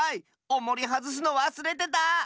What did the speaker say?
おもりはずすのわすれてた！